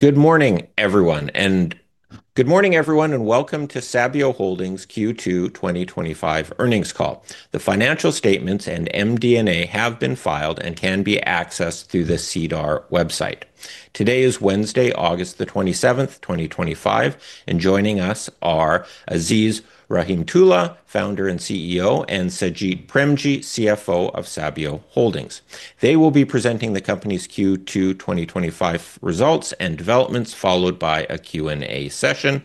Good morning, everyone, and welcome to Sabio Holdings Q2 2025 Earnings Call. The financial statements and MD&A have been filed and can be accessed through the CEDAR website. Today is Wednesday, August 27th, 2025, and joining us are Aziz Rahimtoola, Founder and CEO, and Sajid Premji, CFO of Sabio Holdings. They will be presenting the company's Q2 2025 results and developments, followed by a Q&A session.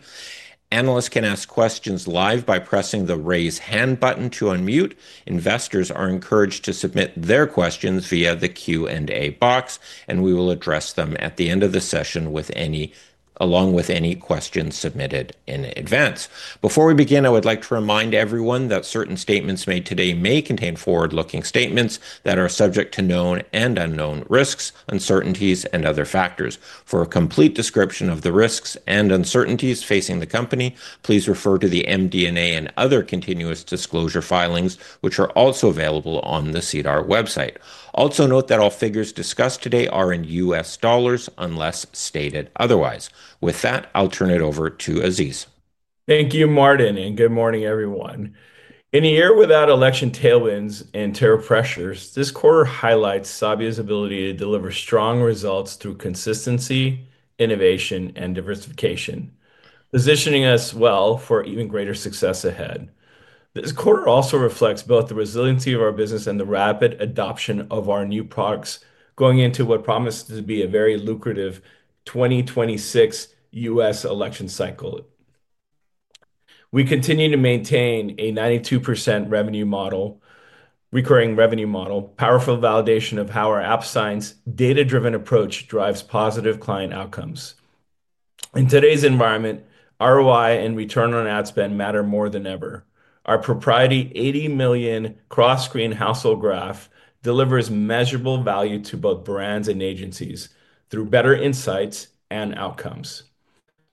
Analysts can ask questions live by pressing the Raise Hand button to unmute. Investors are encouraged to submit their questions via the Q&A box, and we will address them at the end of the session along with any questions submitted in advance. Before we begin, I would like to remind everyone that certain statements made today may contain forward-looking statements that are subject to known and unknown risks, uncertainties, and other factors. For a complete description of the risks and uncertainties facing the company, please refer to the MD&A and other continuous disclosure filings, which are also available on the CEDAR website. Also note that all figures discussed today are in US dollars unless stated otherwise. With that, I'll turn it over to Aziz. Thank you, Martin, and good morning, everyone. In a year without election tailwinds and tariff pressures, this quarter highlights Sabio's ability to deliver strong results through consistency, innovation, and diversification, positioning us well for even greater success ahead. This quarter also reflects both the resiliency of our business and the rapid adoption of our new products, going into what promises to be a very lucrative 2026 U.S. election cycle. We continue to maintain a 92% recurring revenue model, a powerful validation of how our App Science data-driven approach drives positive client outcomes. In today's environment, ROI and return on ad spend matter more than ever. Our proprietary 80 million cross-screen household graph delivers measurable value to both brands and agencies through better insights and outcomes.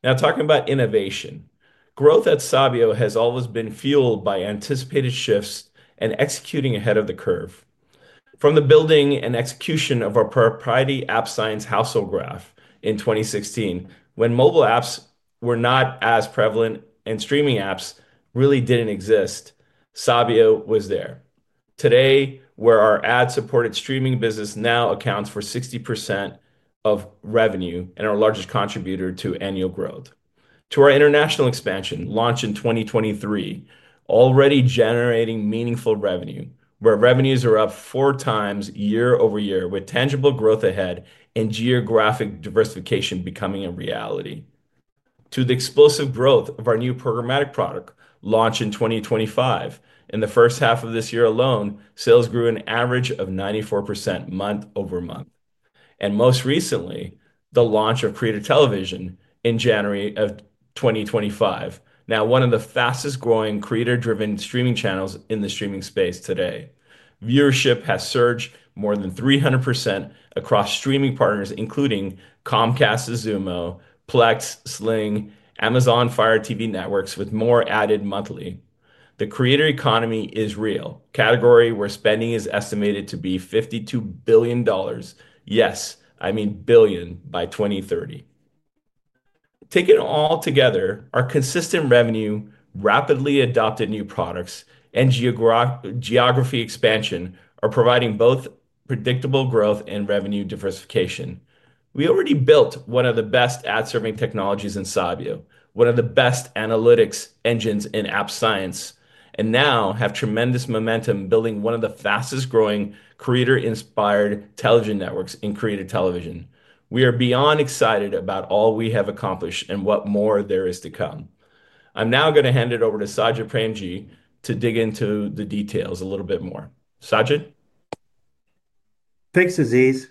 Now, talking about innovation, growth at Sabio has always been fueled by anticipated shifts and executing ahead of the curve. From the building and execution of our proprietary App Science household graph in 2016, when mobile apps were not as prevalent and streaming apps really didn't exist, Sabio was there. Today, our ad-supported streaming business now accounts for 60% of revenue and is our largest contributor to annual growth. Our international expansion, launched in 2023, is already generating meaningful revenue, with revenues up four times year-over-year with tangible growth ahead and geographic diversification becoming a reality. The explosive growth of our new programmatic offering, launched in 2025, in the first half of this year alone, sales grew an average of 94% month-over-month. Most recently, the launch of Creator Television in January 2025, now one of the fastest growing creator-driven streaming channels in the streaming space today. Viewership has surged more than 300% across streaming partners, including Comcast's Xumo, Plex, Sling, and Amazon Fire TV networks, with more added monthly. The creator economy is real, a category where spending is estimated to be $52 billion. Yes, I mean billion by 2030. Taken all together, our consistent revenue, rapidly adopted new products, and geography expansion are providing both predictable growth and revenue diversification. We already built one of the best ad-serving technologies in Sabio, one of the best analytics engines in App Science, and now have tremendous momentum building one of the fastest growing creator-inspired television networks in Creator Television. We are beyond excited about all we have accomplished and what more there is to come. I'm now going to hand it over to Sajid Premji to dig into the details a little bit more. Sajid? Thanks, Aziz.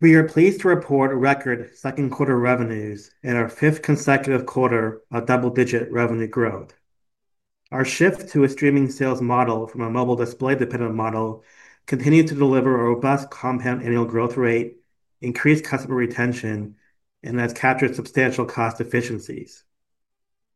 We are pleased to report record second-quarter revenues and our fifth consecutive quarter of double-digit revenue growth. Our shift to a streaming sales model from a mobile display-dependent model continues to deliver a robust compound annual growth rate, increased customer retention, and has captured substantial cost efficiencies.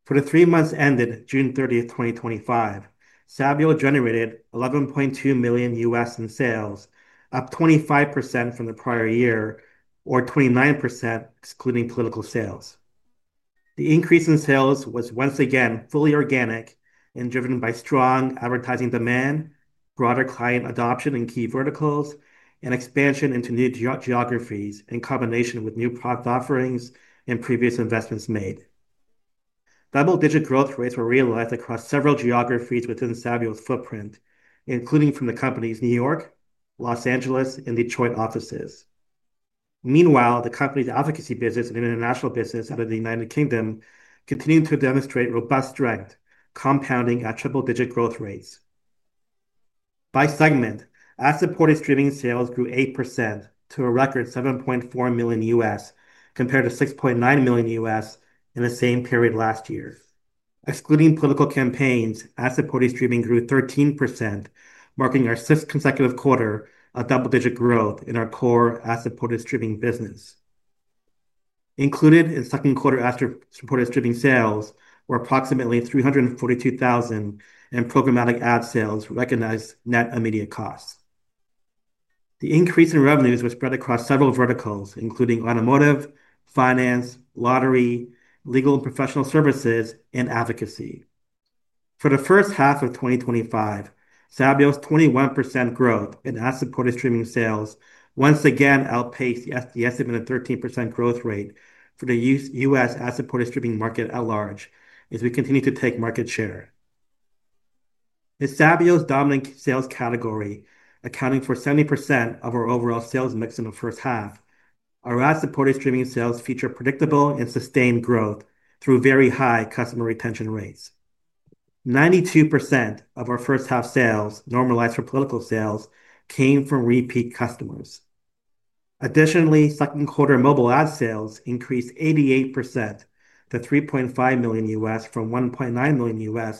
For the three months ended June 30th, 2025, Sabio generated $11.2 million in sales, up 25% from the prior year, or 29% excluding political sales. The increase in sales was once again fully organic and driven by strong advertising demand, broader client adoption in key verticals, and expansion into new geographies in combination with new product offerings and previous investments made. Double-digit growth rates were realized across several geographies within Sabio's footprint, including from the company's New York, Los Angeles, and Detroit offices. Meanwhile, the company's advocacy business and international business out of the United Kingdom continue to demonstrate robust strength, compounding at triple-digit growth rates. By segment, ad-supported streaming sales grew 8% to a record $7.4 million, compared to $6.9 million in the same period last year. Excluding political campaigns, ad-supported streaming grew 13%, marking our sixth consecutive quarter of double-digit growth in our core ad-supported streaming business. Included in second-quarter ad-supported streaming sales were approximately $342,000, and programmatic ad sales recognized net immediate costs. The increase in revenues was spread across several verticals, including automotive, finance, lottery, legal and professional services, and advocacy. For the first half of 2025, Sabio's 21% growth in ad-supported streaming sales once again outpaced the estimated 13% growth rate for the U.S. ad-supported streaming market at large, as we continue to take market share. As Sabio's dominant sales category, accounting for 70% of our overall sales mix in the first half, our ad-supported streaming sales feature predictable and sustained growth through very high customer retention rates. 92% of our first-half sales normalized for political sales came from repeat customers. Additionally, second-quarter mobile ad sales increased 88% to $3.5 million from $1.9 million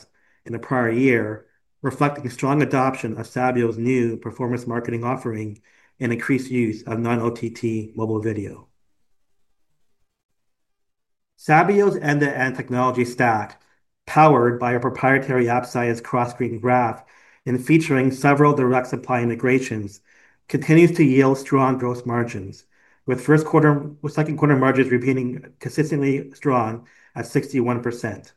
in the prior year, reflecting strong adoption of Sabio's new performance marketing offering and increased use of non-OTT mobile video. Sabio's end-to-end technology stack, powered by a proprietary App Science cross-screen graph and featuring several direct supply integrations, continues to yield strong gross margins, with first quarter and second quarter margins repeating consistently strong at 61%.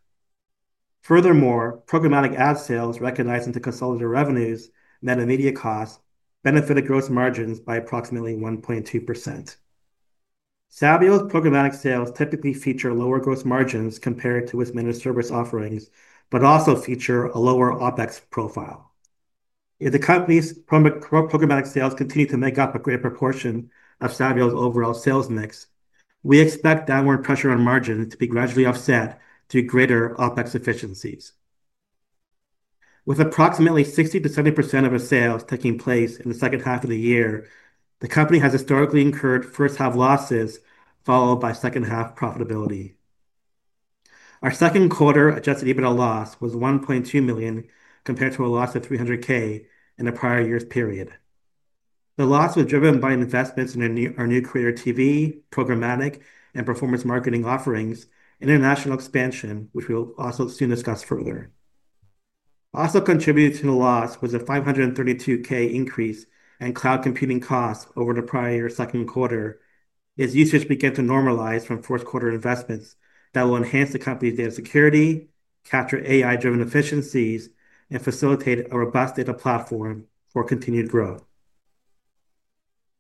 Furthermore, programmatic ad sales recognized into consolidated revenues net immediate costs benefited gross margins by approximately 1.2%. Sabio's programmatic sales typically feature lower gross margins compared to its managed service offerings, but also feature a lower OpEx profile. If the company's programmatic sales continue to make up a greater proportion of Sabio's overall sales mix, we expect downward pressure on margin to be gradually offset through greater OpEx efficiencies. With approximately 60%-70% of its sales taking place in the second half of the year, the company has historically incurred first-half losses followed by second-half profitability. Our second quarter adjusted EBITDA loss was $1.2 million compared to a loss of $0.3 million in the prior year's period. The loss was driven by investments in our new Creator TV, programmatic, and performance marketing offerings, and international expansion, which we will also soon discuss further. Also contributed to the loss was a $0.532 million increase in cloud computing costs over the prior year's second quarter, as usage began to normalize from first-quarter investments that will enhance the company's data security, capture AI-driven efficiencies, and facilitate a robust data platform for continued growth.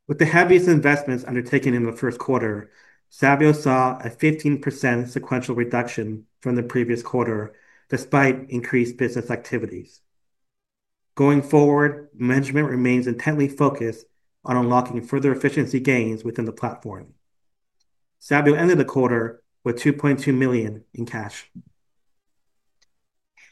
With the heaviest investments undertaken in the first quarter, Sabio saw a 15% sequential reduction from the previous quarter despite increased business activities. Going forward, management remains intently focused on unlocking further efficiency gains within the platform. Sabio ended the quarter with $2.2 million in cash.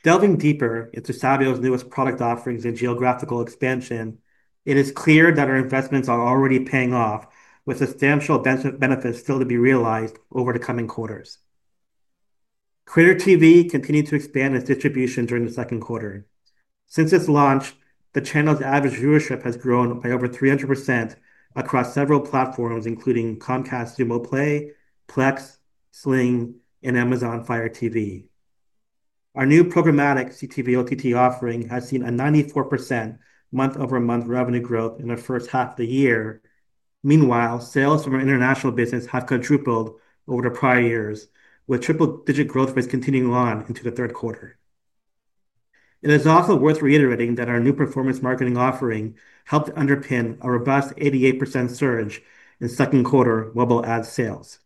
Delving deeper into Sabio's newest product offerings and geographical expansion, it is clear that our investments are already paying off, with substantial benefits still to be realized over the coming quarters. Creator TV continued to expand its distribution during the second quarter. Since its launch, the channel's average viewership has grown by over 300% across several platforms, including Comcast Xumo Play, Plex, Sling, and Amazon Fire TV. Our new programmatic CTV/OTT offering has seen a 94% month-over-month revenue growth in the first half of the year. Meanwhile, sales from our international business have quadrupled over the prior years, with triple-digit growth rates continuing on into the third quarter. It is also worth reiterating that our new performance marketing offering helped underpin a robust 88% surge in second-quarter mobile ad sales.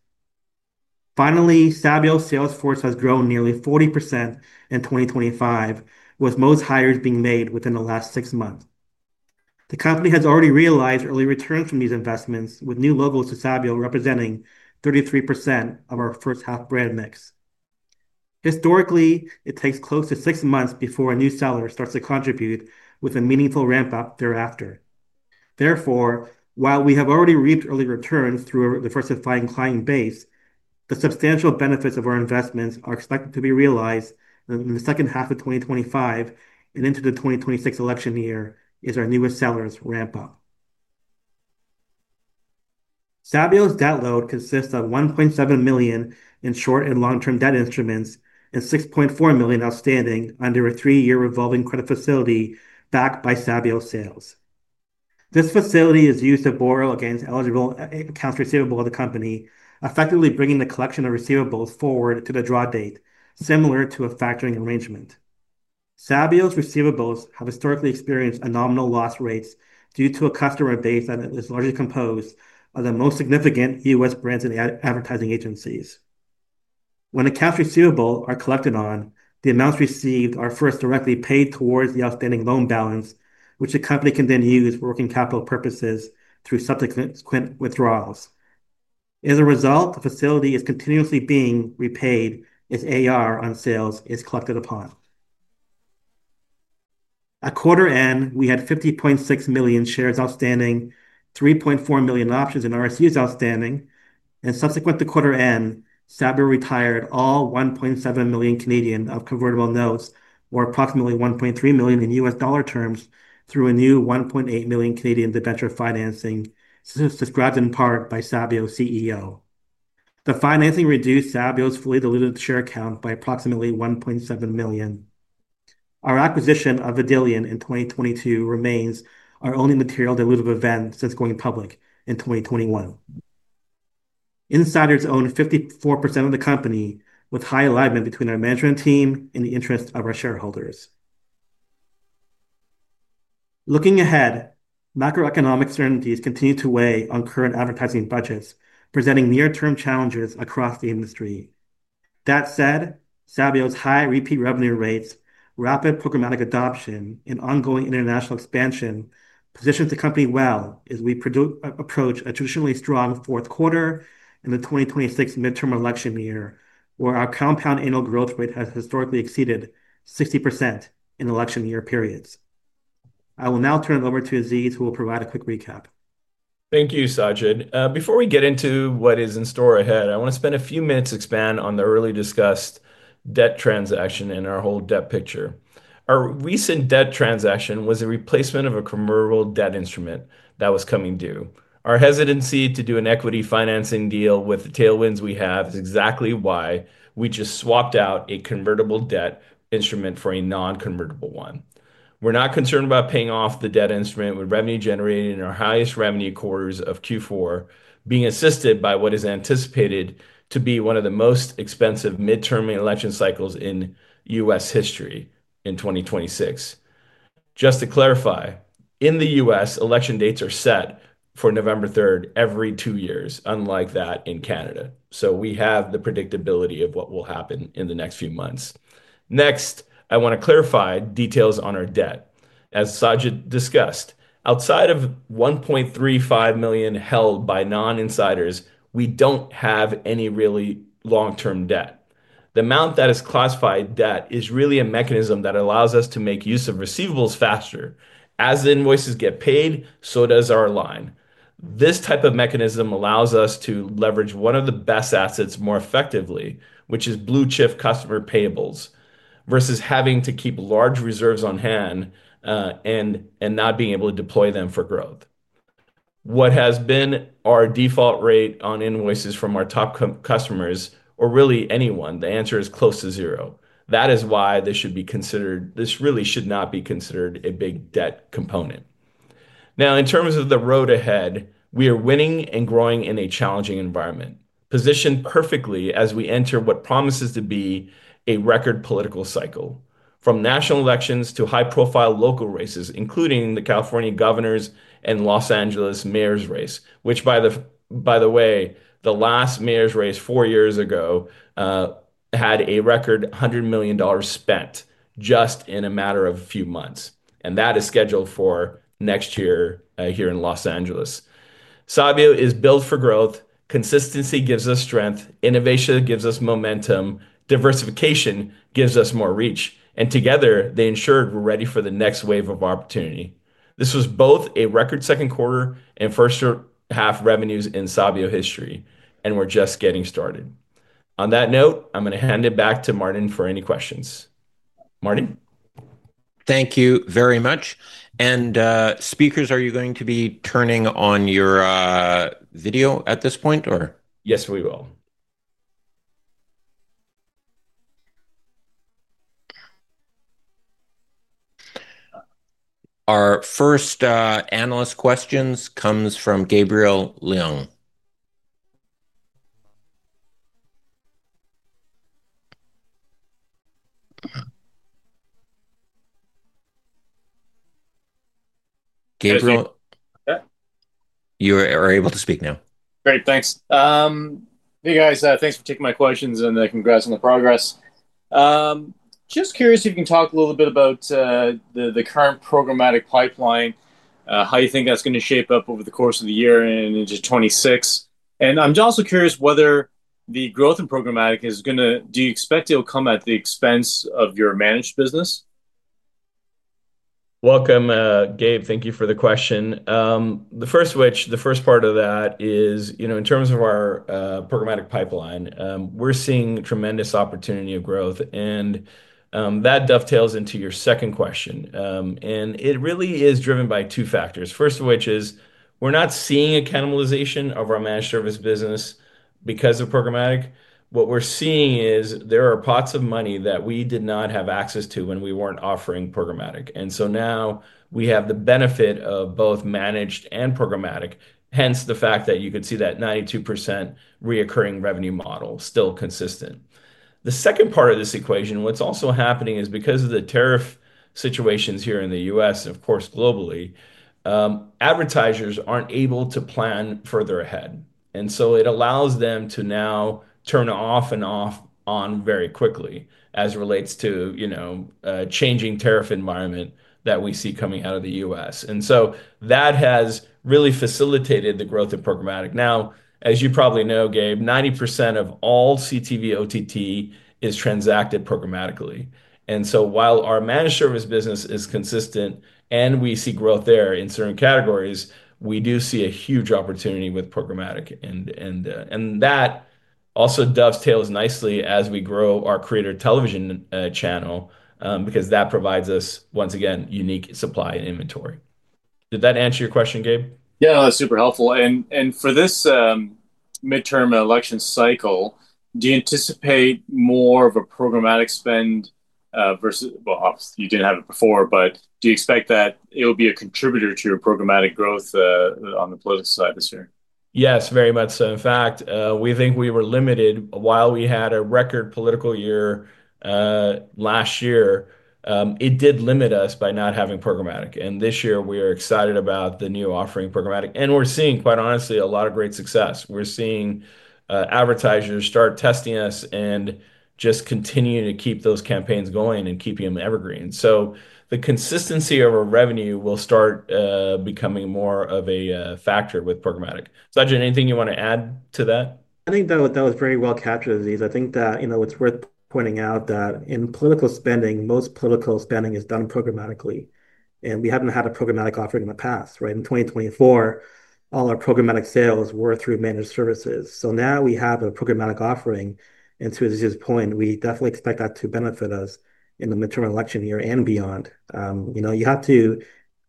Finally, Sabio's sales force has grown nearly 40% in 2025, with most hires being made within the last six months. The company has already realized early returns from these investments, with new logos to Sabio representing 33% of our first-half brand mix. Historically, it takes close to six months before a new seller starts to contribute, with a meaningful ramp-up thereafter. Therefore, while we have already reached early returns through the first-applying client base, the substantial benefits of our investments are expected to be realized in the second half of 2025 and into the 2026 election year as our newest sellers ramp up. Sabio's debt load consists of $1.7 million in short and long-term debt instruments and $6.4 million outstanding under a three-year revolving credit facility backed by Sabio sales. This facility is used to borrow against eligible accounts receivable of the company, effectively bringing the collection of receivables forward to the draw date, similar to a factoring arrangement. Sabio's receivables have historically experienced nominal loss rates due to a customer base that is largely composed of the most significant U.S. brands and advertising agencies. When accounts receivable are collected on, the amounts received are first directly paid towards the outstanding loan balance, which the company can then use for working capital purposes through subsequent withdrawals. As a result, the facility is continuously being repaid as AR on sales is collected upon. At quarter end, we had 50.6 million shares outstanding, 3.4 million options and RSUs outstanding, and subsequent to quarter end, Sabio retired all 1.7 million of convertible notes, or approximately $1.3 million, through a new 1.8 million debenture financing as described in part by Sabio's CEO. The financing reduced Sabio's fully diluted share count by approximately 1.7 million. Our acquisition of Vidillion in 2022 remains our only material diluted event since going public in 2021. Insiders own 54% of the company, with high alignment between our management team and the interests of our shareholders. Looking ahead, macroeconomic certainties continue to weigh on current advertising budgets, presenting near-term challenges across the industry. That said, Sabio's high repeat revenue rates, rapid programmatic adoption, and ongoing international expansion position the company well as we approach a traditionally strong fourth quarter in the 2026 midterm election year, where our compound annual growth rate has historically exceeded 60% in election year periods. I will now turn it over to Aziz, who will provide a quick recap. Thank you, Sajid. Before we get into what is in store ahead, I want to spend a few minutes expanding on the earlier discussed debt transaction and our whole debt picture. Our recent debt transaction was a replacement of a convertible debt instrument that was coming due. Our hesitancy to do an equity financing deal with the tailwinds we have is exactly why we just swapped out a convertible debt instrument for a non-convertible one. We're not concerned about paying off the debt instrument, with revenue generating in our highest revenue quarters of Q4, being assisted by what is anticipated to be one of the most expensive midterm election cycles in U.S. history in 2026. Just to clarify, in the U.S., election dates are set for November 3rd every two years, unlike that in Canada. We have the predictability of what will happen in the next few months. Next, I want to clarify details on our debt. As Sajid discussed, outside of $1.35 million held by non-insiders, we don't have any really long-term debt. The amount that is classified as debt is really a mechanism that allows us to make use of receivables faster. As invoices get paid, so does our line. This type of mechanism allows us to leverage one of the best assets more effectively, which is blue chip customer payables, versus having to keep large reserves on hand and not being able to deploy them for growth. What has been our default rate on invoices from our top customers, or really anyone, the answer is close to zero. That is why this really should not be considered a big debt component. In terms of the road ahead, we are winning and growing in a challenging environment, positioned perfectly as we enter what promises to be a record political cycle, from national elections to high-profile local races, including the California governor's and Los Angeles mayor's race, which, by the way, the last mayor's race four years ago had a record $100 million spent just in a matter of a few months. That is scheduled for next year here in Los Angeles. Sabio is built for growth. Consistency gives us strength. Innovation gives us momentum. Diversification gives us more reach. Together, they ensure we're ready for the next wave of opportunity. This was both a record second quarter and first half revenues in Sabio history. We're just getting started. On that note, I'm going to hand it back to Martin for any questions. Martin? Thank you very much. Speakers, are you going to be turning on your video at this point? Yes, we will. Our first analyst question comes from Gabriel Leung. Gabriel, you are able to speak now. Great, thanks. Hey guys, thanks for taking my questions and congrats on the progress. Just curious if you can talk a little bit about the current programmatic pipeline, how you think that's going to shape up over the course of the year and into 2026. I'm also curious whether the growth in programmatic is going to, do you expect it'll come at the expense of your managed business? Welcome, Gabe. Thank you for the question. The first of which, the first part of that is, you know, in terms of our programmatic pipeline, we're seeing tremendous opportunity of growth. That dovetails into your second question. It really is driven by two factors. First of which is we're not seeing a cannibalization of our managed service business because of programmatic. What we're seeing is there are pots of money that we did not have access to when we weren't offering programmatic. Now we have the benefit of both managed and programmatic, hence the fact that you could see that 92% recurring revenue model still consistent. The second part of this equation, what's also happening is because of the tariff situations here in the U.S. and of course globally, advertisers aren't able to plan further ahead. It allows them to now turn off and on very quickly as it relates to, you know, a changing tariff environment that we see coming out of the U.S. That has really facilitated the growth of programmatic. Now, as you probably know, Gabe, 90% of all CTV/OTT is transacted programmatically. While our managed service business is consistent and we see growth there in certain categories, we do see a huge opportunity with programmatic. That also dovetails nicely as we grow our Creator Television channel because that provides us, once again, unique supply and inventory. Did that answer your question, Gabe? That was super helpful. For this midterm election cycle, do you anticipate more of a programmatic spend versus, obviously you didn't have it before, but do you expect that it'll be a contributor to your programmatic growth on the political side this year? Yes, very much so. In fact, we think we were limited while we had a record political year last year. It did limit us by not having programmatic. This year, we are excited about the new offering programmatic. We are seeing, quite honestly, a lot of great success. We are seeing advertisers start testing us and just continue to keep those campaigns going and keeping them evergreen. The consistency of our revenue will start becoming more of a factor with programmatic. Sajid, anything you want to add to that? I think that was very well captured, Aziz. I think that it's worth pointing out that in political spending, most political spending is done programmatically. We haven't had a programmatic offering in the past, right? In 2024, all our programmatic sales were through managed services. Now we have a programmatic offering. To Aziz's point, we definitely expect that to benefit us in the midterm election year and beyond. You have to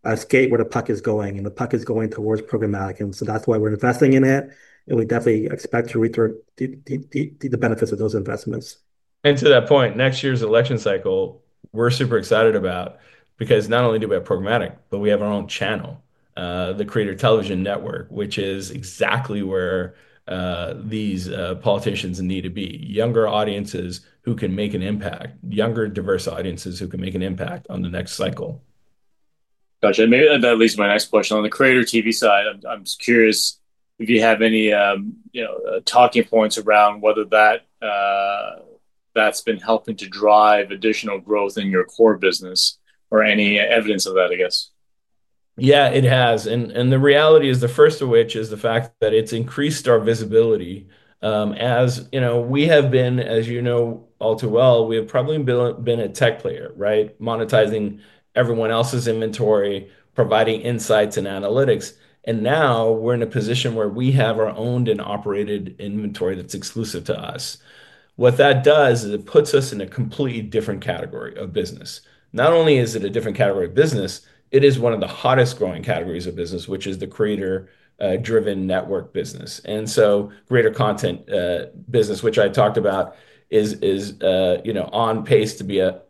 escape where the puck is going. The puck is going towards programmatic, which is why we're investing in it. We definitely expect to reap the benefits of those investments. To that point, next year's election cycle, we're super excited about because not only do we have programmatic, but we have our own channel, the Creator Television product, which is exactly where these politicians need to be. Younger audiences who can make an impact, younger diverse audiences who can make an impact on the next cycle. Gotcha. Maybe that leads to my next question. On the Creator TV side, I'm curious if you have any talking points around whether that's been helping to drive additional growth in your core business or any evidence of that, I guess. Yeah, it has. The reality is the first of which is the fact that it's increased our visibility. As you know, we have been, as you know all too well, we have probably been a tech player, right? Monetizing everyone else's inventory, providing insights and analytics. Now we're in a position where we have our owned-and-operated inventory that's exclusive to us. What that does is it puts us in a completely different category of business. Not only is it a different category of business, it is one of the hottest growing categories of business, which is the creator-driven network business. The creator content business, which I talked about, is, you know, on pace to be a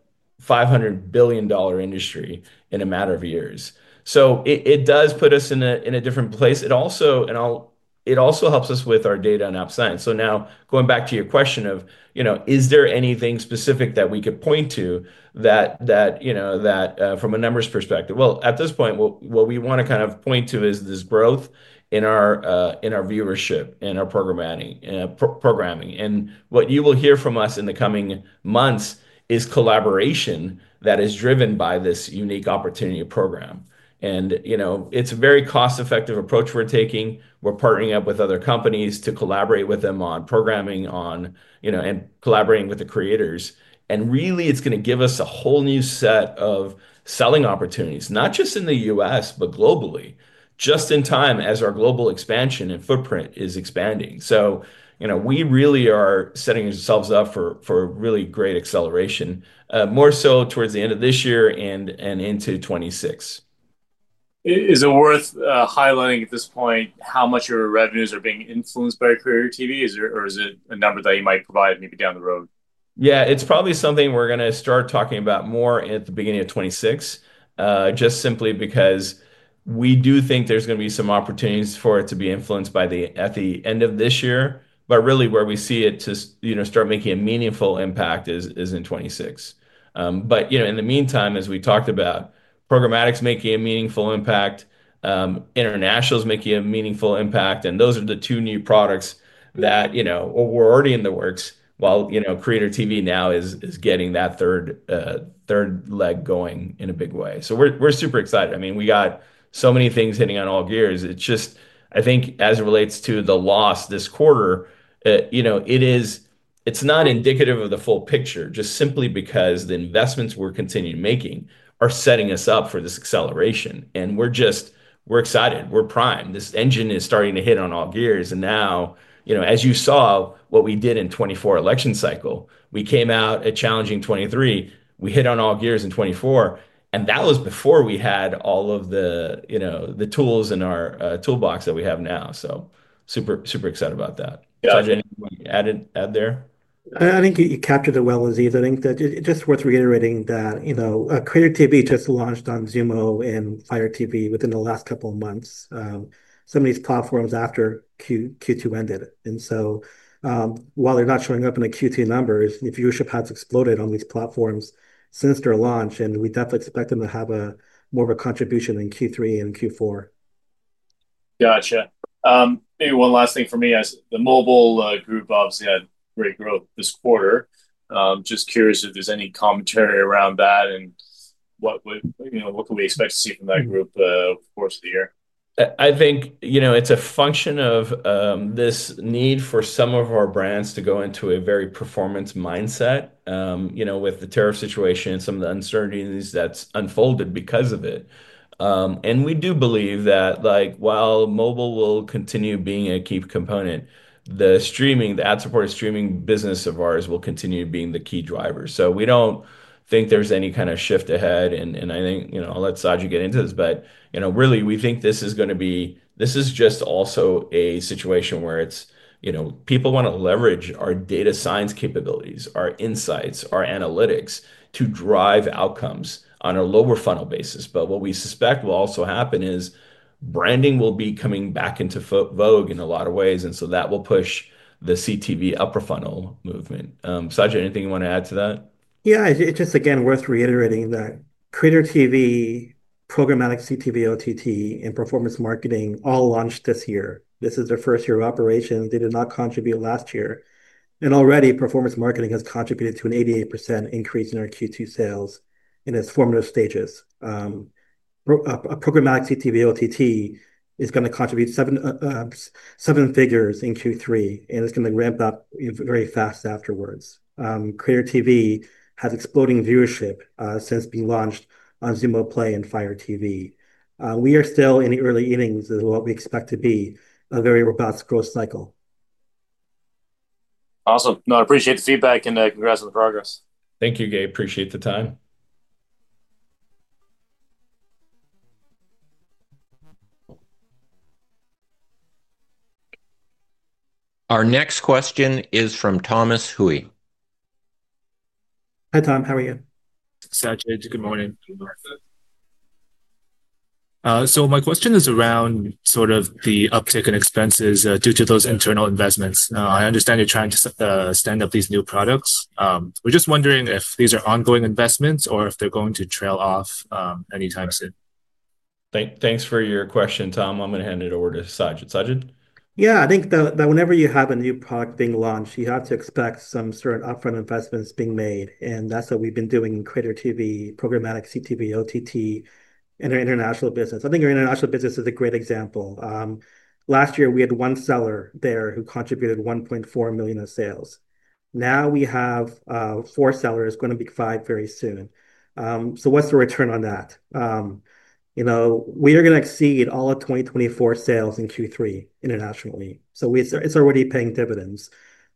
$500 billion industry in a matter of years. It does put us in a different place. It also helps us with our data and App Science. Going back to your question of, you know, is there anything specific that we could point to that, you know, from a numbers perspective? At this point, what we want to kind of point to is this growth in our viewership and our programming. What you will hear from us in the coming months is collaboration that is driven by this unique opportunity program. It's a very cost-effective approach we're taking. We're partnering up with other companies to collaborate with them on programming and collaborating with the creators. It's going to give us a whole new set of selling opportunities, not just in the U.S., but globally, just in time as our global expansion and footprint is expanding. We really are setting ourselves up for a really great acceleration, more so towards the end of this year and into 2026. Is it worth highlighting at this point how much of your revenues are being influenced by Creator TV, or is it a number that you might provide maybe down the road? Yeah, it's probably something we're going to start talking about more at the beginning of 2026, just simply because we do think there's going to be some opportunities for it to be influenced at the end of this year. Really, where we see it to start making a meaningful impact is in 2026. In the meantime, as we talked about, programmatic's making a meaningful impact, international's making a meaningful impact, and those are the two new products that we're already in the works, while Creator TV now is getting that third leg going in a big way. We're super excited. I mean, we got so many things hitting on all gears. I think, as it relates to the loss this quarter, it's not indicative of the full picture, just simply because the investments we're continuing to make are setting us up for this acceleration. We're excited. We're primed. This engine is starting to hit on all gears. As you saw what we did in the 2024 election cycle, we came out a challenging 2023. We hit on all gears in 2024. That was before we had all of the tools in our toolbox that we have now. Super, super excited about that. Sajid, anything you want to add there? I think you captured it well, Aziz. I think that just what you're reiterating, that, you know, Creator TV just launched Xumo and Fire TV within the last couple of months, some of these platforms after Q2 ended. While they're not showing up in the Q2 numbers, viewership has exploded on these platforms since their launch. We definitely expect them to have more of a contribution in Q3 and Q4. Gotcha. Maybe one last thing for me is the mobile group obviously had great growth this quarter. Just curious if there's any commentary around that and what could we expect to see from that group over the course of the year. I think it's a function of this need for some of our brands to go into a very performance mindset, with the tariff situation and some of the uncertainties that's unfolded because of it. We do believe that, while mobile will continue being a key component, the ad-supported streaming business of ours will continue being the key driver. We don't think there's any kind of shift ahead. I think I'll let Sajid get into this, but we think this is just also a situation where people want to leverage our data science capabilities, our insights, our analytics to drive outcomes on a lower funnel basis. What we suspect will also happen is branding will be coming back into vogue in a lot of ways, and that will push the CTV upper funnel movement. Sajid, anything you want to add to that? Yeah, it's just, again, worth reiterating that Creator TV, programmatic CTV/OTT offering, and performance marketing all launched this year. This is their first year of operations. They did not contribute last year. Already, performance marketing has contributed to an 88% increase in our Q2 sales in its formative stages. Programmatic CTV/OTT offering is going to contribute seven figures in Q3, and it's going to ramp up very fast afterwards. Creator TV has exploding viewership since being launched on Xumo Play and Fire TV. We are still in the early innings of what we expect to be a very robust growth cycle. Awesome. No, I appreciate the feedback and congrats on the progress. Thank you, Gabe. Appreciate the time. Our next question is from Thomas Hui. Hi Tom, how are you? Sajid, good morning. My question is around the uptick in expenses due to those internal investments. I understand you're trying to stand up these new products. We're just wondering if these are ongoing investments or if they're going to trail off anytime soon. Thanks for your question, Tom. I'm going to hand it over to Sajid. Sajid? Yeah, I think that whenever you have a new product being launched, you have to expect some sort of upfront investments being made. That's what we've been doing in Creator TV, programmatic CTV/OTT, and our international business. I think our international business is a great example. Last year, we had one seller there who contributed $1.4 million in sales. Now we have four sellers, going to be five very soon. What's the return on that? We are going to exceed all of 2024 sales in Q3 internationally. It's already paying dividends.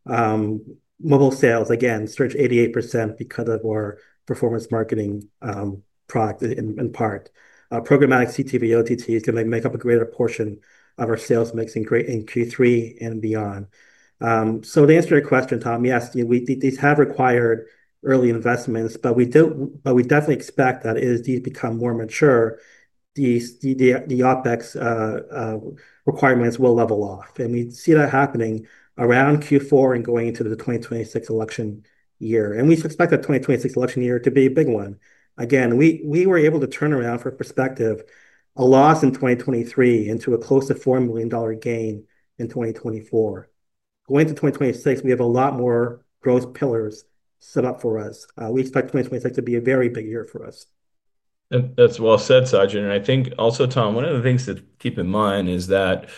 Mobile sales, again, surged 88% because of our performance marketing product in part. Programmatic CTV/OTT is going to make up a greater portion of our sales mix in Q3 and beyond. To answer your question, Tom, yes, these have required early investments, but we definitely expect that as these become more mature, the OpEx requirements will level off. We see that happening around Q4 and going into the 2026 election year. We suspect the 2026 election year to be a big one. We were able to turn around, for perspective, a loss in 2023 into a close to $4 million gain in 2024. Going into 2026, we have a lot more growth pillars set up for us. We expect 2026 to be a very big year for us. That's well said, Sajid. I think also, Tom, one of the things to keep in mind is that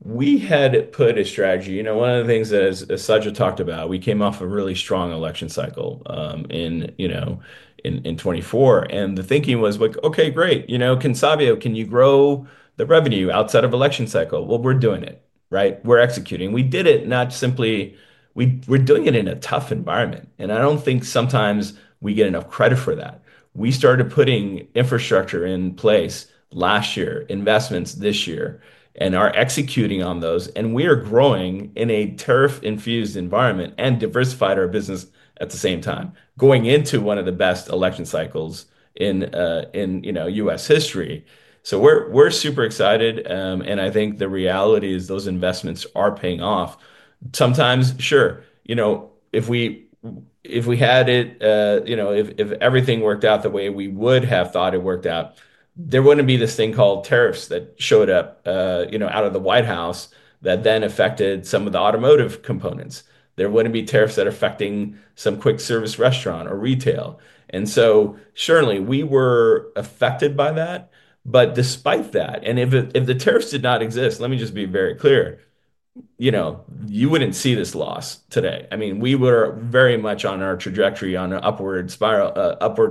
we had put a strategy. One of the things, as Sajid talked about, we came off a really strong election cycle in 2024. The thinking was like, OK, great. Can Sabio, can you grow the revenue outside of election cycle? We're doing it, right? We're executing. We did it not simply. We're doing it in a tough environment. I don't think sometimes we get enough credit for that. We started putting infrastructure in place last year, investments this year, and are executing on those. We are growing in a tariff-infused environment and diversified our business at the same time, going into one of the best election cycles in U.S. history. We're super excited. I think the reality is those investments are paying off. Sometimes, sure, if we had it, if everything worked out the way we would have thought it worked out, there wouldn't be this thing called tariffs that showed up out of the White House that then affected some of the automotive components. There wouldn't be tariffs that affected some quick service restaurant or retail. Surely we were affected by that. Despite that, and if the tariffs did not exist, let me just be very clear, you wouldn't see this loss today. I mean, we were very much on our trajectory, on an upward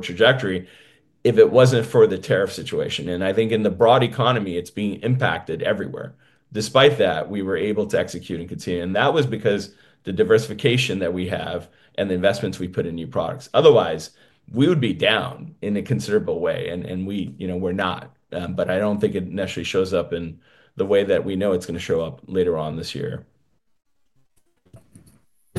trajectory, if it wasn't for the tariff situation. I think in the broad economy, it's being impacted everywhere. Despite that, we were able to execute and continue. That was because of the diversification that we have and the investments we put in new products. Otherwise, we would be down in a considerable way. We're not. I don't think it necessarily shows up in the way that we know it's going to show up later on this year.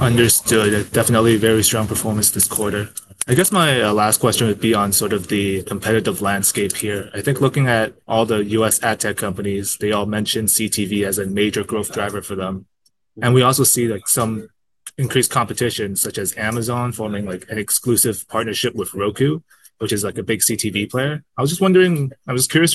Understood. Definitely very strong performance this quarter. I guess my last question would be on sort of the competitive landscape here. I think looking at all the U.S. ad tech companies, they all mention CTV advertising as a major growth driver for them. We also see some increased competition, such as Amazon forming an exclusive partnership with Roku, which is a big CTV player. I was just wondering, I was curious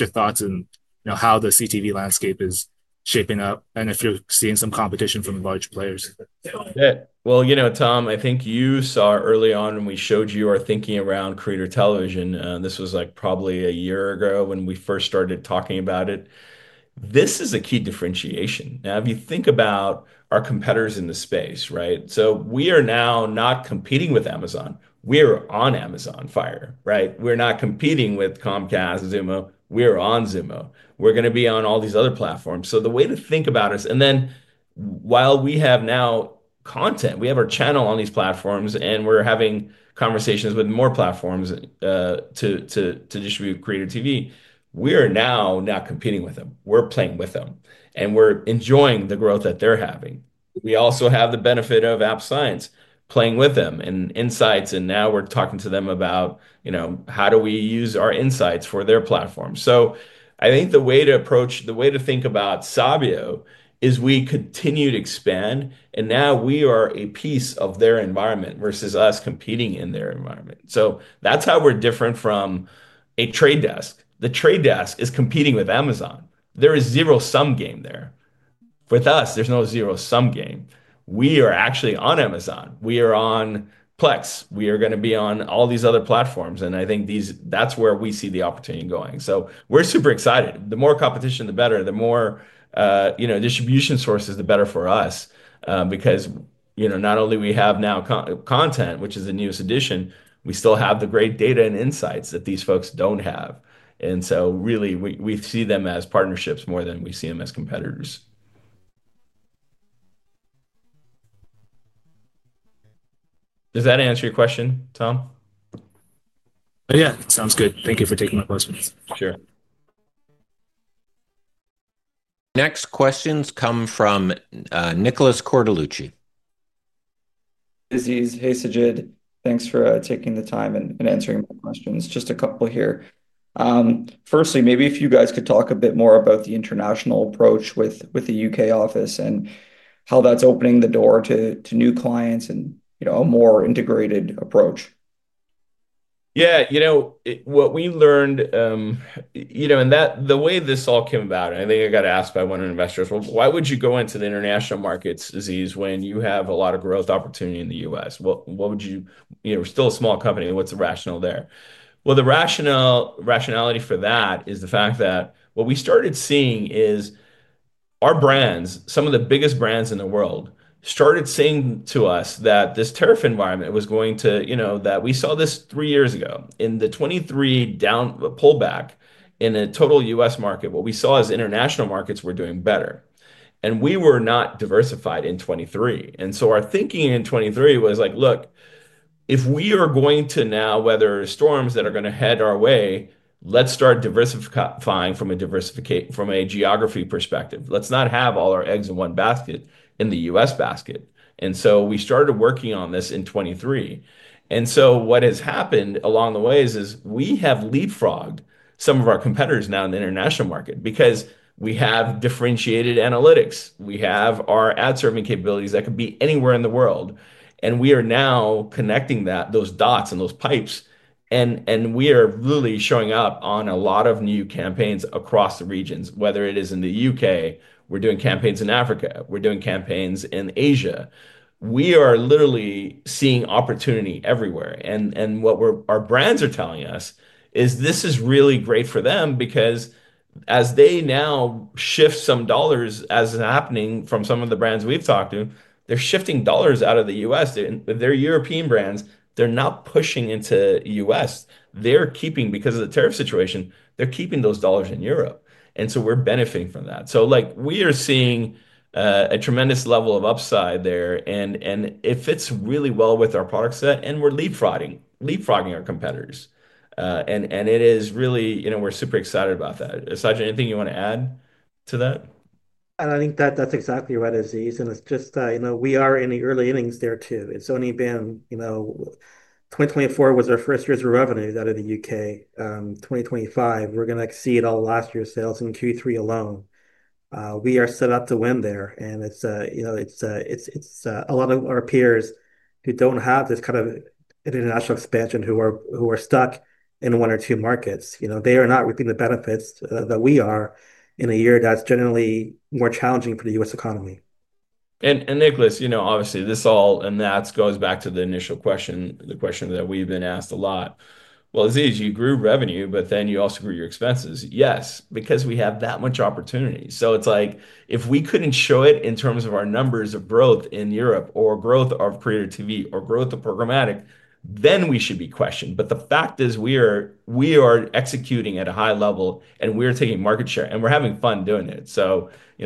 your thoughts on how the CTV landscape is shaping up and if you're seeing some competition from large players. You know, Tom, I think you saw early on when we showed you our thinking around Creator Television. This was probably a year ago when we first started talking about it. This is a key differentiation. If you think about our competitors in the space, right? We are now not competing with Amazon. We're on Amazon Fire, right? We're not competing with comcast Xumo. We're on Xumo. We're going to be on all these other platforms. The way to think about us, and then while we have now content, we have our channel on these platforms, and we're having conversations with more platforms to distribute Creator Television, we are now not competing with them. We're playing with them, and we're enjoying the growth that they're having. We also have the benefit of App Science, playing with them and insights. Now we're talking to them about, you know, how do we use our insights for their platform? I think the way to approach, the way to think about Sabio is we continue to expand. Now we are a piece of their environment versus us competing in their environment. That's how we're different from a Trade Desk. The Trade Desk is competing with Amazon. There is zero-sum game there. With us, there's no zero-sum game. We are actually on Amazon. We are on Plex. We are going to be on all these other platforms. I think that's where we see the opportunity going. We're super excited. The more competition, the better. The more, you know, distribution sources, the better for us. Because, you know, not only do we have now content, which is the newest edition, we still have the great data and insights that these folks don't have. Really, we see them as partnerships more than we see them as competitors. Does that answer your question, Tom? Yeah, sounds good. Thank you for taking my questions. Sure. Next questions come from Nicholas Cortellucci. Aziz, hey Sajid, thanks for taking the time and answering my questions. Just a couple here. Firstly, maybe if you guys could talk a bit more about the international approach with the U.K. office and how that's opening the door to new clients and, you know, a more integrated approach. Yeah, you know, what we learned, and that the way this all came about, I think I got asked by one of the investors, why would you go into the international markets, Aziz, when you have a lot of growth opportunity in the U.S.? What would you, you know, we're still a small company. What's the rationale there? The rationality for that is the fact that what we started seeing is our brands, some of the biggest brands in the world, started saying to us that this tariff environment was going to, you know, that we saw this three years ago in the 2023 pullback in the total U.S. market. What we saw is international markets were doing better. We were not diversified in 2023. Our thinking in 2023 was like, look, if we are going to now weather storms that are going to head our way, let's start diversifying from a geography perspective. Let's not have all our eggs in one basket, in the U.S. basket. We started working on this in 2023. What has happened along the way is we have leapfrogged some of our competitors now in the international market because we have differentiated analytics. We have our ad-serving capabilities that could be anywhere in the world. We are now connecting those dots and those pipes. We are literally showing up on a lot of new campaigns across the regions, whether it is in the U.K. We're doing campaigns in Africa. We're doing campaigns in Asia. We are literally seeing opportunity everywhere. What our brands are telling us is this is really great for them because as they now shift some dollars, as is happening from some of the brands we've talked to, they're shifting dollars out of the U.S. They're European brands. They're not pushing into the U.S. They're keeping, because of the tariff situation, they're keeping those dollars in Europe. We are benefiting from that. We are seeing a tremendous level of upside there. It fits really well with our product set. We're leapfrogging our competitors. It is really, you know, we're super excited about that. Sajid, anything you want to add to that? I think that's exactly right, Aziz. We are in the early innings there too. 2024 was our first year's revenue out of the United Kingdom. In 2025, we're going to exceed all last year's sales in Q3 alone. We are set up to win there. A lot of our peers who don't have this kind of international expansion, who are stuck in one or two markets, are not reaping the benefits that we are in a year that's generally more challenging for the U.S. economy. Nicholas, you know, obviously this all goes back to the initial question, the question that we've been asked a lot. Aziz, you grew revenue, but then you also grew your expenses. Yes, because we have that much opportunity. If we couldn't show it in terms of our numbers of growth in Europe or growth of Creator TV or growth of programmatic, then we should be questioned. The fact is we are executing at a high level, and we're taking market share, and we're having fun doing it.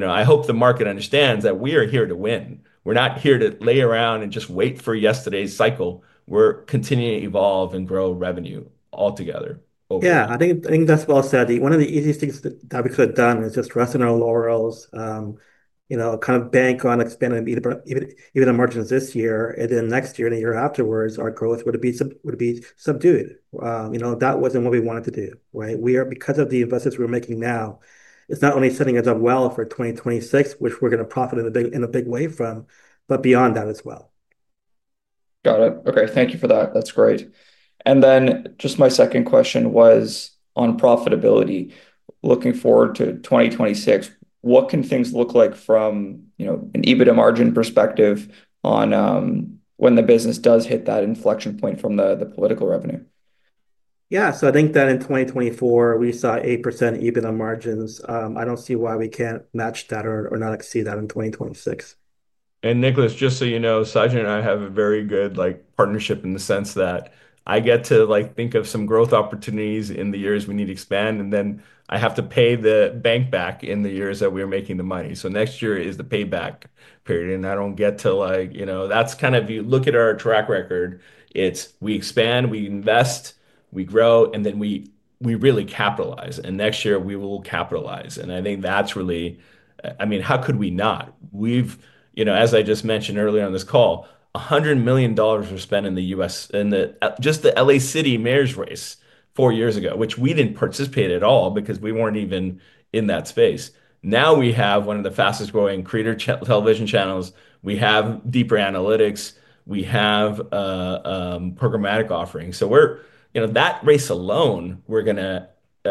I hope the market understands that we are here to win. We're not here to lay around and just wait for yesterday's cycle. We're continuing to evolve and grow revenue altogether. Yeah, I think that's well said. One of the easiest things that we could have done is just rest on our laurels, you know, kind of bank on expanding even our margins this year. Next year and the year afterwards, our growth would be subdued. That wasn't what we wanted to do, right? We are, because of the investments we're making now, it's not only setting us up well for 2026, which we're going to profit in a big way from, but beyond that as well. Got it. OK, thank you for that. That's great. My second question was on profitability. Looking forward to 2026, what can things look like from, you know, an EBITDA margin perspective on when the business does hit that inflection point from the political revenue? I think that in 2024, we saw 8% EBITDA margins. I don't see why we can't match that or not exceed that in 2026. Nicholas, just so you know, Sajid and I have a very good partnership in the sense that I get to think of some growth opportunities in the years we need to expand, and then I have to pay the bank back in the years that we're making the money. Next year is the payback period. I don't get to, you know, that's kind of, you look at our track record. We expand, we invest, we grow, and then we really capitalize. Next year we will capitalize. I think that's really, I mean, how could we not? We've, you know, as I just mentioned earlier on this call, $100 million was spent in the U.S., just the L.A. City mayor's race four years ago, which we didn't participate at all because we weren't even in that space. Now we have one of the fastest growing Creator Television channels. We have deeper analytics. We have programmatic offerings. That race alone, we're going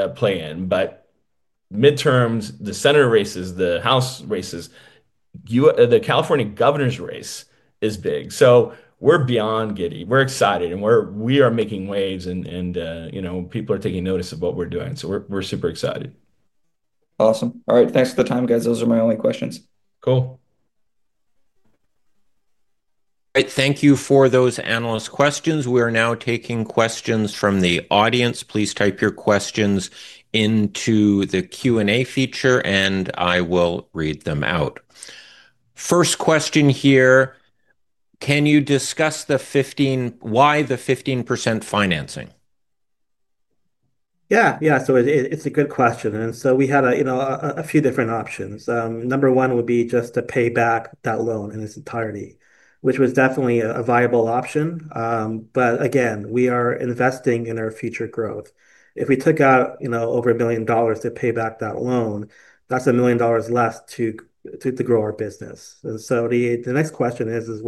to play in. Midterms, the Senate races, the House races, the California governor's race is big. We are beyond giddy. We're excited. We are making waves. People are taking notice of what we're doing. We're super excited. Awesome. All right, thanks for the time, guys. Those are my only questions. Cool. All right, thank you for those analyst questions. We are now taking questions from the audience. Please type your questions into the Q&A feature, and I will read them out. First question here, can you discuss the 15, why the 15% financing? Yeah, it's a good question. We had a few different options. Number one would be just to pay back that loan in its entirety, which was definitely a viable option. We are investing in our future growth. If we took out over $1 million to pay back that loan, that's $1 million less to grow our business. The next question is,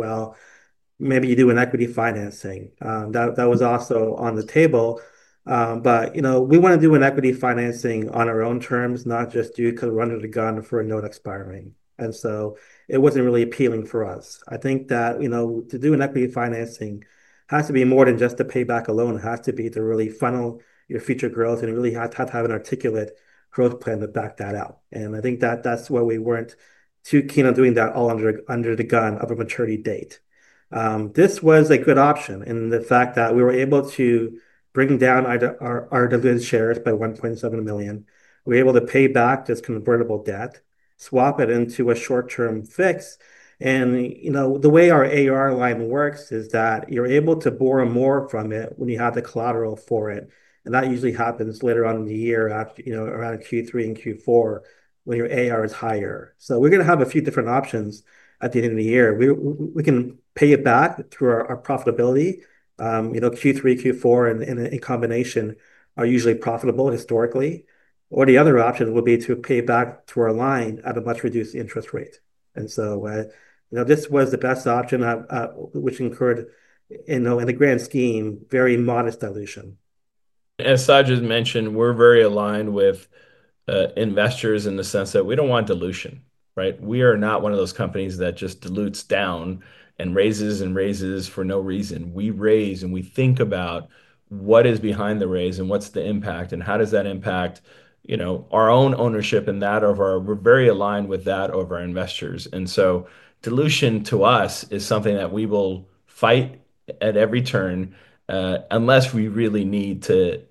maybe you do an equity financing. That was also on the table. We want to do an equity financing on our own terms, not just do it because we're under the gun for a note expiring. It wasn't really appealing for us. I think that to do an equity financing has to be more than just to pay back a loan. It has to be to really funnel your future growth. You really have to have an articulate growth plan to back that out. I think that's why we weren't too keen on doing that all under the gun of a maturity date. This was a good option in the fact that we were able to bring down our dividend shares by 1.7 million. We were able to pay back this convertible debt, swap it into a short-term fix. The way our AR line works is that you're able to borrow more from it when you have the collateral for it. That usually happens later on in the year, around Q3 and Q4, when your AR is higher. We're going to have a few different options at the end of the year. We can pay it back through our profitability. Q3, Q4, and in combination are usually profitable historically. The other option would be to pay it back through our line at a much reduced interest rate. This was the best option, which incurred, in the grand scheme, very modest dilution. As Sajid mentioned, we're very aligned with investors in the sense that we don't want dilution, right? We are not one of those companies that just dilutes down and raises and raises for no reason. We raise and we think about what is behind the raise and what's the impact and how does that impact our own ownership and that of our investors. We are very aligned with that of our investors. Dilution to us is something that we will fight at every turn unless we really need to.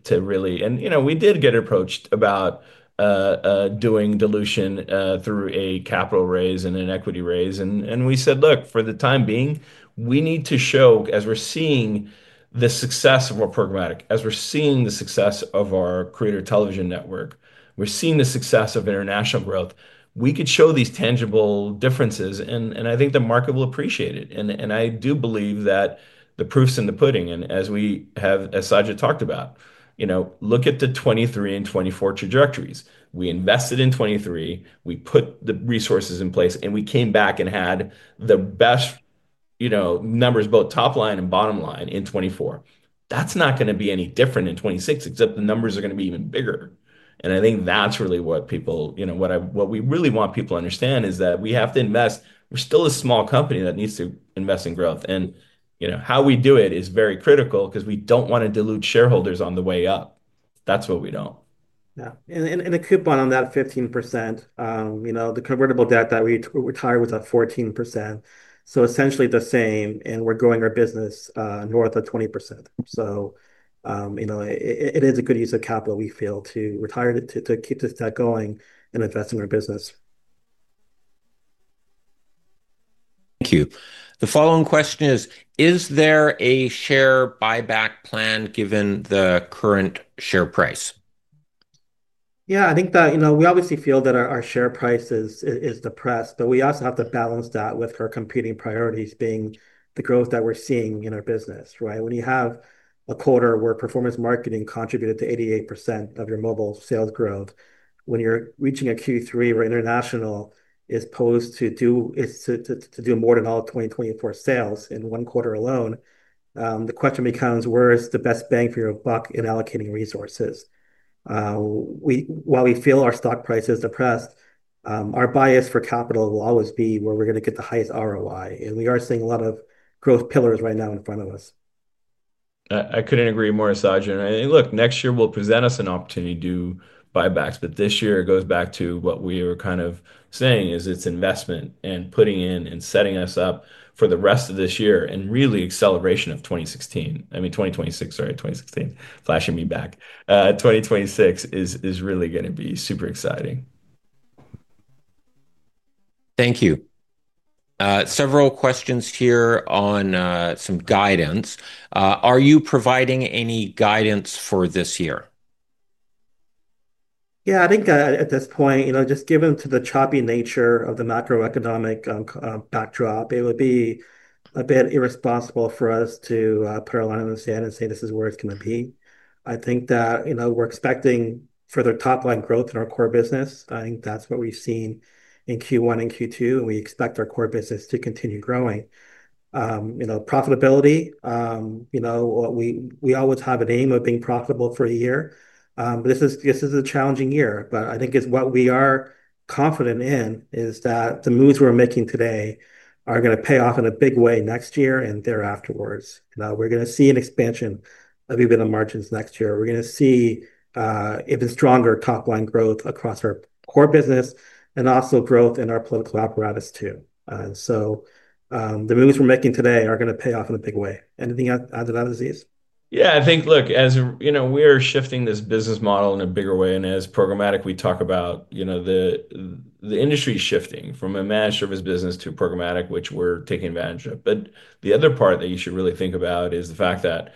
We did get approached about doing dilution through a capital raise and an equity raise. We said, look, for the time being, we need to show, as we're seeing the success of our programmatic, as we're seeing the success of our Creator Television network, we're seeing the success of international growth, we could show these tangible differences. I think the market will appreciate it. I do believe that the proof's in the pudding. As we have, as Sajid talked about, look at the 2023 and 2024 trajectories. We invested in 2023. We put the resources in place. We came back and had the best numbers, both top line and bottom line, in 2024. That's not going to be any different in 2026, except the numbers are going to be even bigger. I think that's really what we really want people to understand is that we have to invest. We're still a small company that needs to invest in growth. How we do it is very critical because we don't want to dilute shareholders on the way up. That's what we don't. Yeah, and a coupon on that 15%, you know, the convertible debt that we retire with at 14%. Essentially the same, and we're growing our business north of 20%. It is a good use of capital, we feel, to retire, to keep this debt going and invest in our business. Thank you. The following question is, is there a share buyback plan given the current share price? Yeah, I think that we obviously feel that our share price is depressed. We also have to balance that with our competing priorities being the growth that we're seeing in our business, right? When you have a quarter where performance marketing contributed to 88% of your mobile sales growth, when you're reaching a Q3 where international is supposed to do more than all 2024 sales in one quarter alone, the question becomes, where is the best bang for your buck in allocating resources? While we feel our stock price is depressed, our bias for capital will always be where we're going to get the highest ROI. We are seeing a lot of growth pillars right now in front of us. I couldn't agree more, Sajid. I think next year will present us an opportunity to do buybacks. This year goes back to what we were kind of saying, it's investment and putting in and setting us up for the rest of this year and really acceleration of 2026. I mean, 2026, sorry, 2016, flashing me back. 2026 is really going to be super exciting. Thank you. Several questions here on some guidance. Are you providing any guidance for this year? Yeah, I think at this point, just given the choppy nature of the macroeconomic backdrop, it would be a bit irresponsible for us to put our line in the sand and say this is where it's going to be. I think that we're expecting further top line growth in our core business. I think that's what we've seen in Q1 and Q2, and we expect our core business to continue growing. Profitability, you know, we always have an aim of being profitable for a year. This is a challenging year. I think what we are confident in is that the moves we're making today are going to pay off in a big way next year and thereafter. We're going to see an expansion of even the margins next year. We're going to see even stronger top line growth across our core business and also growth in our political apparatus too. The moves we're making today are going to pay off in a big way. Anything else to add to that, Aziz? Yeah, I think, look, as you know, we're shifting this business model in a bigger way. As programmatic, we talk about, you know, the industry is shifting from a managed service business to programmatic, which we're taking advantage of. The other part that you should really think about is the fact that,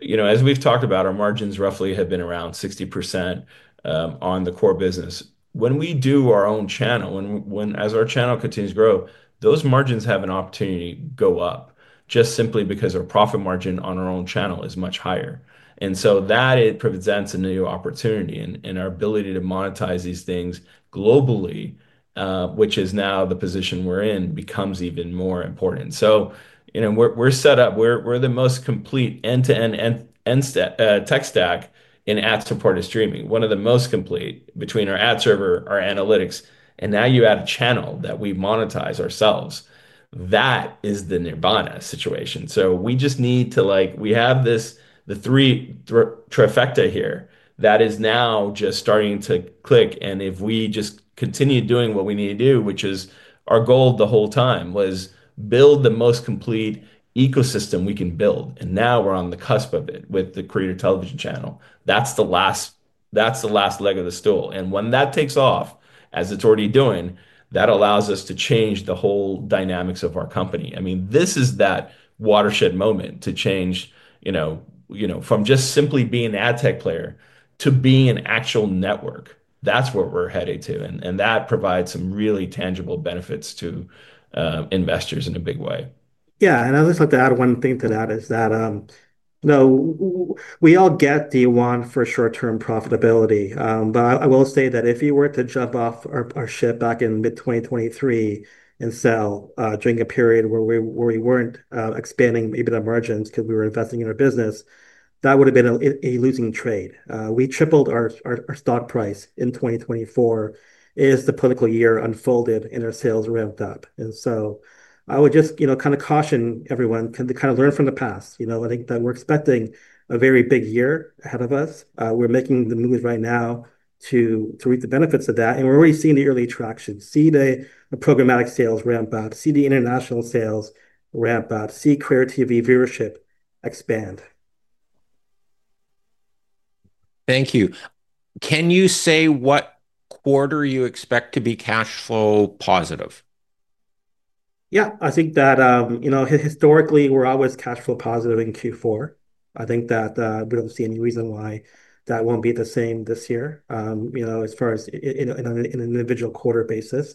you know, as we've talked about, our margins roughly have been around 60% on the core business. When we do our own channel, as our channel continues to grow, those margins have an opportunity to go up just simply because our profit margin on our own channel is much higher. That presents a new opportunity in our ability to monetize these things globally, which is now the position we're in, becomes even more important. We're set up. We're the most complete end-to-end tech stack in ad-supported streaming, one of the most complete between our ad server, our analytics. Now you add a channel that we monetize ourselves. That is the nirvana situation. We just need to, like, we have this, the three trifecta here that is now just starting to click. If we just continue doing what we need to do, which is our goal the whole time, was build the most complete ecosystem we can build. Now we're on the cusp of it with the Creator Television channel. That's the last leg of the stool. When that takes off, as it's already doing, that allows us to change the whole dynamics of our company. I mean, this is that watershed moment to change, you know, from just simply being an ad tech player to being an actual network. That's what we're headed to. That provides some really tangible benefits to investors in a big way. Yeah, and I'd just like to add one thing to that is that, you know, we all get D1 for short-term profitability. I will say that if you were to jump off our ship back in mid-2023 and sell during a period where we weren't expanding even our margins because we were investing in our business, that would have been a losing trade. We tripled our stock price in 2024 as the political year unfolded and our sales ramped up. I would just, you know, kind of caution everyone to kind of learn from the past. I think that we're expecting a very big year ahead of us. We're making the moves right now to reap the benefits of that. We're already seeing the early traction, seeing the programmatic sales ramp up, seeing the international sales ramp up, seeing Creator TV viewership expand. Thank you. Can you say what quarter you expect to be cash flow positive? Yeah, I think that, you know, historically, we're always cash flow positive in Q4. I think that we don't see any reason why that won't be the same this year, you know, as far as on an individual quarter basis.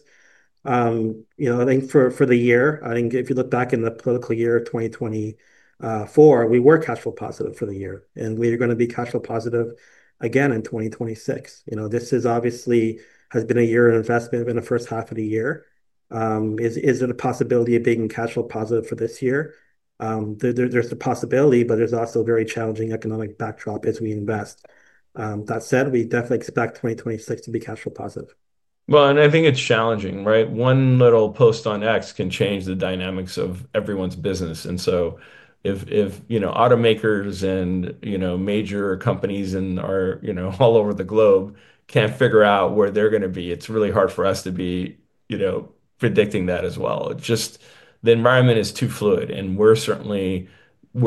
I think for the year, I think if you look back in the political year of 2024, we were cash flow positive for the year. We are going to be cash flow positive again in 2026. This has obviously been a year of investment in the first half of the year. Is it a possibility of being cash flow positive for this year? There's the possibility, but there's also a very challenging economic backdrop as we invest. That said, we definitely expect 2026 to be cash flow positive. I think it's challenging, right? One little post on X can change the dynamics of everyone's business. If automakers and major companies all over the globe can't figure out where they're going to be, it's really hard for us to be predicting that as well. The environment is too fluid. We're certainly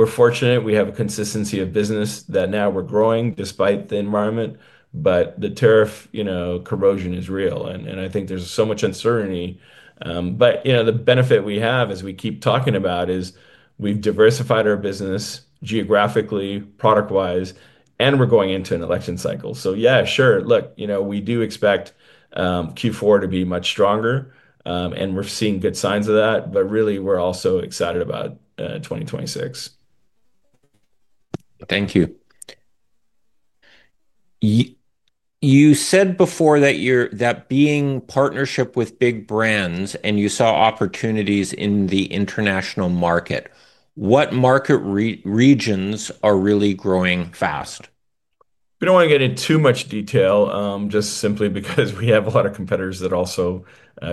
fortunate. We have a consistency of business that now we're growing despite the environment. The tariff corrosion is real, and I think there's so much uncertainty. The benefit we have, as we keep talking about, is we've diversified our business geographically, product-wise, and we're going into an election cycle. Yeah, sure, look, we do expect Q4 to be much stronger, and we're seeing good signs of that. We're also excited about 2026. Thank you. You said before that you're in partnership with big brands, and you saw opportunities in the international market. What market regions are really growing fast? We don't want to get into too much detail, just simply because we have a lot of competitors that also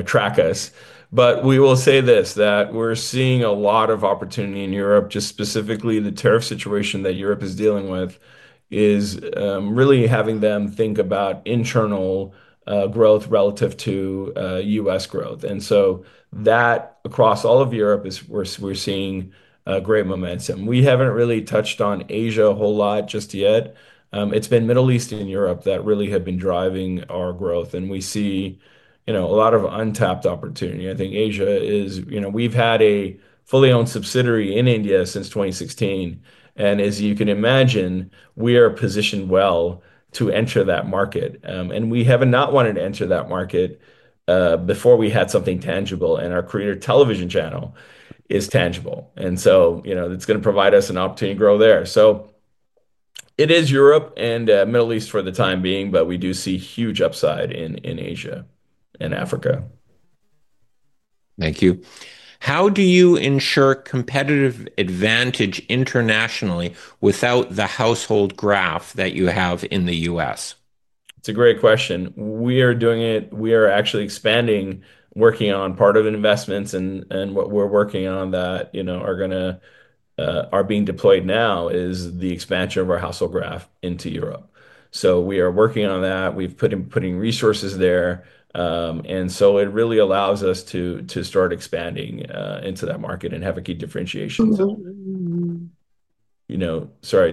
track us. We will say this, that we're seeing a lot of opportunity in Europe. Specifically, the tariff situation that Europe is dealing with is really having them think about internal growth relative to U.S. growth. Across all of Europe is where we're seeing great momentum. We haven't really touched on Asia a whole lot just yet. It's been the Middle East and Europe that really have been driving our growth. We see a lot of untapped opportunity. I think Asia is, you know, we've had a fully owned subsidiary in India since 2016. As you can imagine, we are positioned well to enter that market. We have not wanted to enter that market before we had something tangible. Our Creator Television channel is tangible, and it's going to provide us an opportunity to grow there. It is Europe and the Middle East for the time being, but we do see huge upside in Asia and Africa. Thank you. How do you ensure competitive advantage internationally without the cross-screen household graph that you have in the U.S.? It's a great question. We are doing it. We are actually expanding, working on part of investments. What we're working on that are going to be deployed now is the expansion of our household graph into Europe. We are working on that. We're putting resources there, and it really allows us to start expanding into that market and have a key differentiation.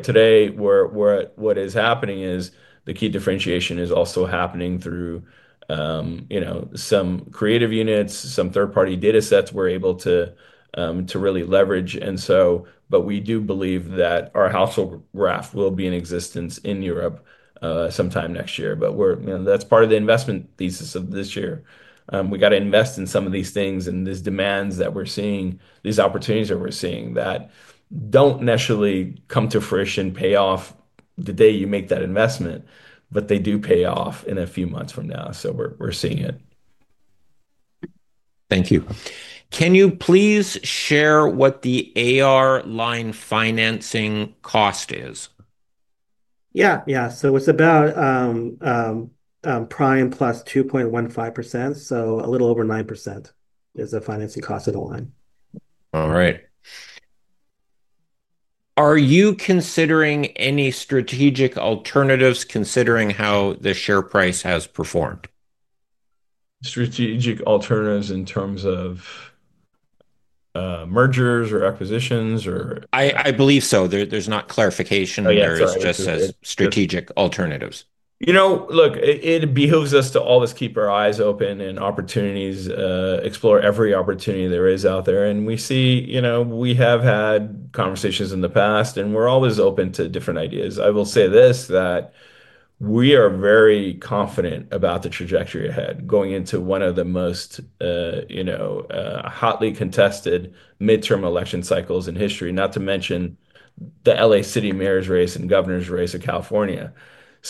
Today what is happening is the key differentiation is also happening through some creative units, some third-party data sets we're able to really leverage. We do believe that our household graph will be in existence in Europe sometime next year. That's part of the investment thesis of this year. We got to invest in some of these things and these demands that we're seeing, these opportunities that we're seeing that don't necessarily come to fruition, pay off the day you make that investment, but they do pay off in a few months from now. We're seeing it. Thank you. Can you please share what the AR line financing cost is? Yeah, yeah. It's about prime +2.15%. A little over 9% is the financing cost of the line. All right. Are you considering any strategic alternatives considering how the share price has performed? Strategic alternatives in terms of mergers or acquisitions? I believe so. There's no clarification in there. It's just as strategic alternatives. You know, it behooves us to always keep our eyes open and explore every opportunity there is out there. We have had conversations in the past, and we're always open to different ideas. I will say this, that we are very confident about the trajectory ahead, going into one of the most hotly contested midterm election cycles in history, not to mention the L.A. City mayor's race and governor's race of California.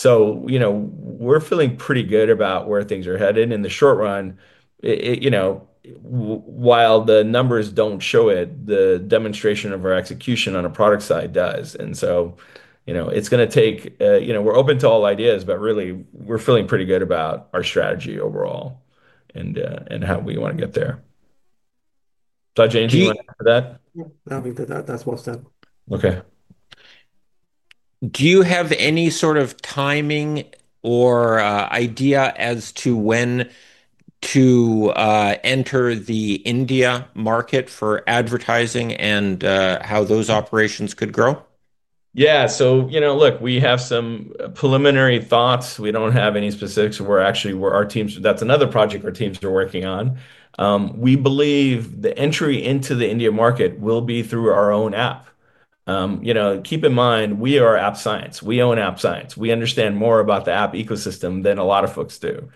We're feeling pretty good about where things are headed in the short run. While the numbers don't show it, the demonstration of our execution on the product side does. It's going to take, you know, we're open to all ideas, but really, we're feeling pretty good about our strategy overall and how we want to get there. Sajid, anything you want to add to that? No, I think that's well said. OK. Do you have any sort of timing or idea as to when to enter the India market for advertising and how those operations could grow? Yeah, so, you know, look, we have some preliminary thoughts. We don't have any specifics. Our teams, that's another project our teams are working on. We believe the entry into the India market will be through our own app. You know, keep in mind, we are App Science. We own App Science. We understand more about the app ecosystem than a lot of folks do.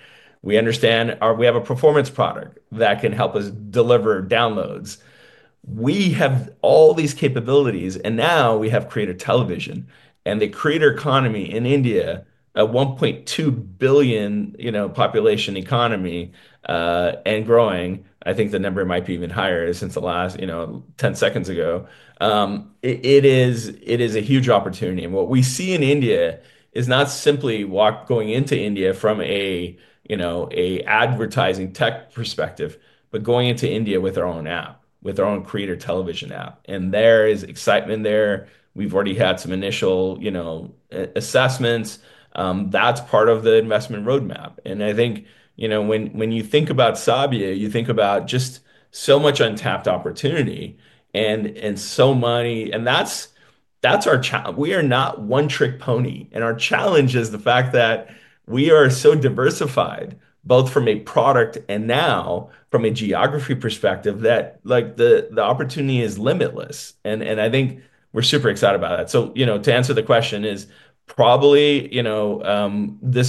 We understand we have a performance product that can help us deliver downloads. We have all these capabilities. Now we have Creator Television. The creator economy in India, a $1.2 billion, you know, population economy and growing, I think the number might be even higher since the last, you know, 10 seconds ago. It is a huge opportunity. What we see in India is not simply going into India from a, you know, advertising tech perspective, but going into India with our own app, with our own Creator Television app. There is excitement there. We've already had some initial, you know, assessments. That's part of the investment roadmap. I think, you know, when you think about Sabio, you think about just so much untapped opportunity and so many, and that's our challenge. We are not one-trick pony. Our challenge is the fact that we are so diversified, both from a product and now from a geography perspective, that the opportunity is limitless. I think we're super excited about that. To answer the question, this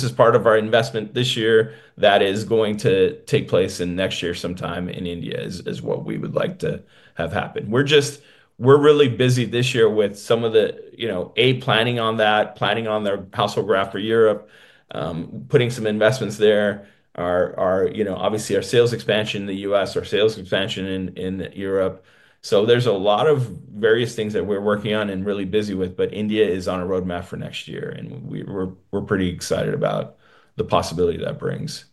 is part of our investment this year that is going to take place in next year sometime in India is what we would like to have happen. We're just, we're really busy this year with some of the, you know, planning on that, planning on the household graph for Europe, putting some investments there, our, you know, obviously our sales expansion in the U.S., our sales expansion in Europe. There are a lot of various things that we're working on and really busy with. India is on a roadmap for next year. We're pretty excited about the possibility that brings.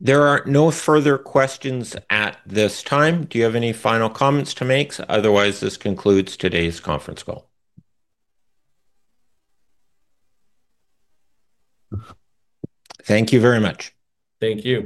There are no further questions at this time. Do you have any final comments to make? Otherwise, this concludes today's conference call. Thank you very much. Thank you.